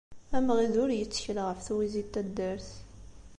Amɣid ur yettkel ɣef twizi n taddart.